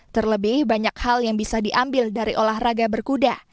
terlebih banyak hal yang bisa diambil dari olahraga berkuda